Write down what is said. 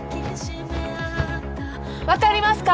分かりますか？